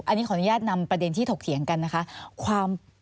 อันนี้ขออนุญาตนำประเด็นที่ถกเถียงกันนะคะ